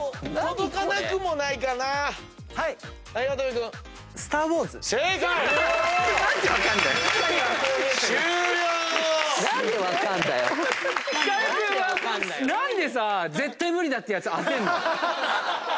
光君は何でさ絶対無理だっていうやつ当てるの？